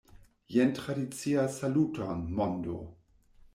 Jen tradicia Saluton, mondo!